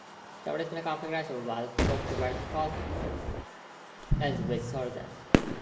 The original configuration was four twelve-foot lanes with shoulders.